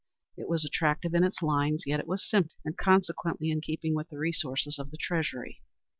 It was attractive in its lines, yet it was simple and, consequently, in keeping with the resources of the treasury.